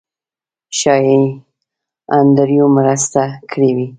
ښایي انډریو مرسته کړې وي.